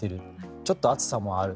ちょっと暑さもある。